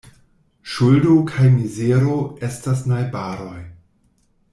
Ŝuldo kaj mizero estas najbaroj.